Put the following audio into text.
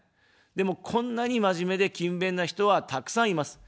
でも、こんなに真面目で勤勉な人はたくさんいます。